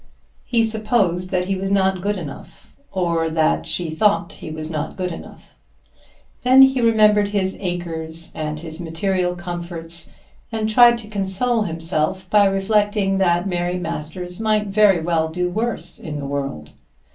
He supposed that he was not good enough; or that she thought he was not good enough. Then he remembered his acres, and his material comforts, and tried to console himself by reflecting that Mary Masters might very well do worse in the world.